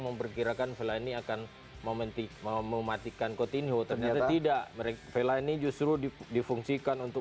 memperkirakan vela ini akan mematikan coutinho ternyata tidak vela ini justru difungsikan untuk